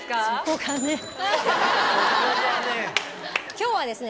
今日はですね。